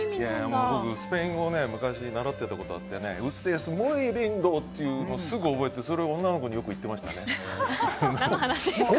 僕はスペイン語を昔習ってたことがあってねリンドっていうのをすぐ覚えて、それを女の子によく言ってましたね。